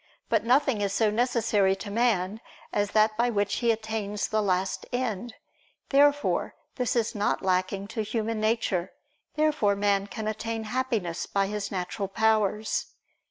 But nothing is so necessary to man as that by which he attains the last end. Therefore this is not lacking to human nature. Therefore man can attain Happiness by his natural powers.